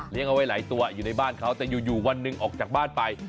เอาไว้หลายตัวอยู่ในบ้านเขาแต่อยู่วันหนึ่งออกจากบ้านไป